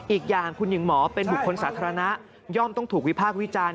อีกอย่างคุณหญิงหมอเป็นบุคคลสาธารณะย่อมต้องถูกวิพากษ์วิจารณ์